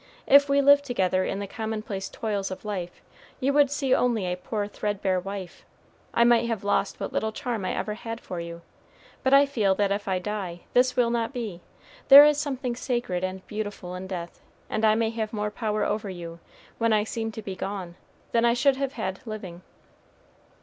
If we lived together in the commonplace toils of life, you would see only a poor threadbare wife. I might have lost what little charm I ever had for you; but I feel that if I die, this will not be. There is something sacred and beautiful in death; and I may have more power over you, when I seem to be gone, than I should have had living."